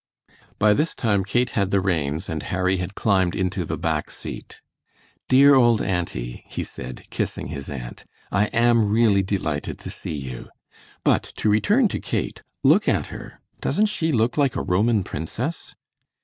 By this time Kate had the reins and Harry had climbed into the back seat. "Dear old auntie," he said, kissing his aunt, "I am really delighted to see you. But to return to Kate. Look at her! Doesn't she look like a Roman princess?"